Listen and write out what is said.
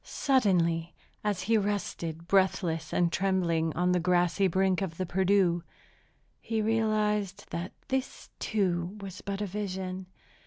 Suddenly, as he rested, breathless and trembling, on the grassy brink of the Perdu, he realized that this, too, was but a vision.